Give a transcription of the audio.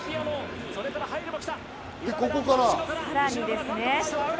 ここから。